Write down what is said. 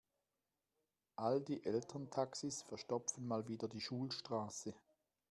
All die Elterntaxis verstopfen mal wieder die Schulstraße.